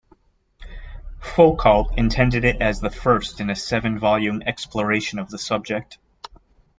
Foucault intended it as the first in a seven-volume exploration of the subject.